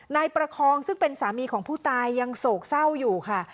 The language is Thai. ประคองซึ่งเป็นสามีของผู้ตายยังโศกเศร้าอยู่ค่ะ